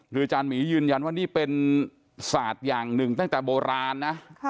คืออาจารย์หมียืนยันว่านี่เป็นศาสตร์อย่างหนึ่งตั้งแต่โบราณนะ